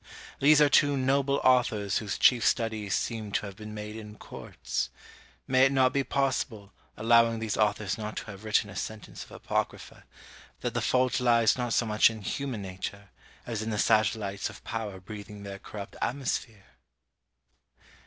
These are two noble authors whose chief studies seem to have been made in courts. May it not be possible, allowing these authors not to have written a sentence of apocrypha, that the fault lies not so much in human nature as in the satellites of Power breathing their corrupt atmosphere?